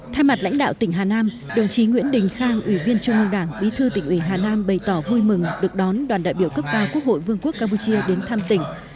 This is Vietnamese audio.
thay mặt lãnh đạo tỉnh hà nam đồng chí nguyễn đình khang ủy viên trung ương đảng bí thư tỉnh ủy hà nam bày tỏ vui mừng được đón đoàn đại biểu cấp cao quốc hội vương quốc campuchia đến thăm tỉnh